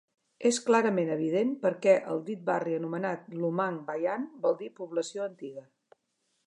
És clarament evident per què el dit barri anomenat Lumang Bayan vol dir població antiga.